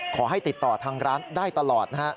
ขอให้ติดต่อทางร้านได้ตลอดนะฮะ